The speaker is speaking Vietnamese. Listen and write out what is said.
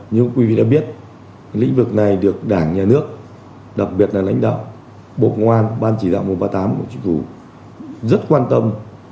như quý vị đã biết lĩnh vực này được đảng nhà nước đặc biệt là lãnh đạo bộ công an ban chỉ đạo một trăm ba mươi tám của chủ tịch vũ rất quan tâm